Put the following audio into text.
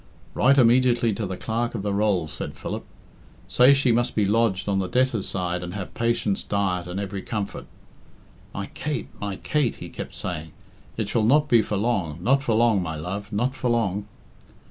"Write immediately to the Clerk of the Bolls," said Philip. "Say she must be lodged on the debtors' side and have patients' diet and every comfort. My Kate! my Kate!" he kept saying, "it shall not be for long, not for long, my love, not for long!"